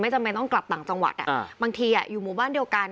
จำเป็นต้องกลับต่างจังหวัดบางทีอยู่หมู่บ้านเดียวกัน